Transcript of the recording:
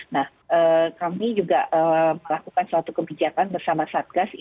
nah kami juga melakukan suatu kebijakan bersama satgas